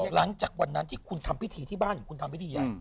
หลังจากวันนั้นที่คุณทำพิธีที่บ้านคุณทำให้ดี